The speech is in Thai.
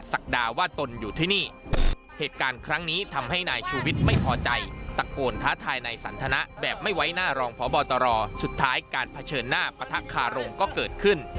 สุดท้ายการเผชิญหน้าประทักษ์คารงก็เกิดขึ้น